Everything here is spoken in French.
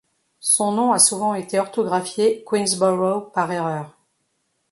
Son nom a souvent été orthographié Queensborough par erreur.